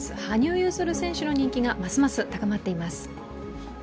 羽生結弦選手の人気がますます高まっています。